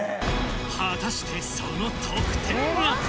果たしてその得点は。